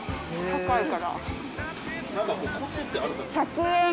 高いから。